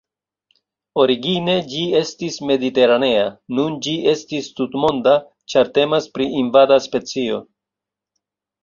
Origine ĝi estis mediteranea, nun ĝi estis tutmonda, ĉar temas pri invada specio.